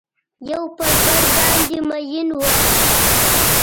یو پر بل باندې میین وه